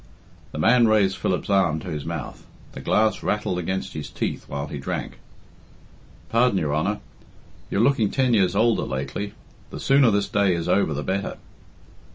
The man raised Philip's arm to his mouth; the glass rattled against his teeth while he drank. "Pardon, your honour. You're looking ten years older lately. The sooner this day is over the better."